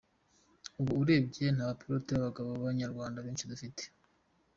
Ubu urebye nta n’abapilote b’abagabo b’Abanyarwanda benshi dufite.